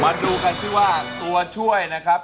มาดูกันที่ว่าตัวช่วยนะครับ